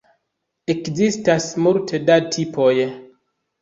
Ekzistas multe da tipoj.